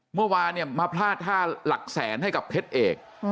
เมื่อวานเนี่ยมาพลาดท่าหลักแสนให้กับเพชรเอก